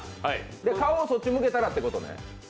顔そっち向けたらってことね。